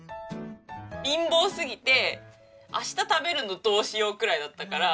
貧乏すぎて明日食べるのどうしよう？くらいだったから。